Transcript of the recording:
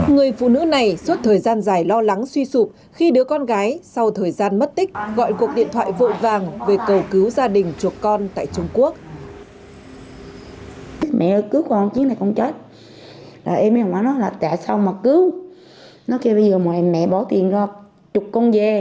người phụ nữ này suốt thời gian dài lo lắng suy sụp khi đứa con gái sau thời gian mất tích gọi cuộc điện thoại vội vàng về cầu cứu gia đình chuộc con tại trung quốc